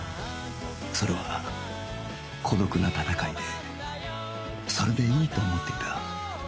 それは孤独な戦いでそれでいいと思っていた